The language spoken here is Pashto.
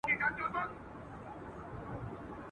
د غرو لمنو کي اغزیو پیرې وکرلې.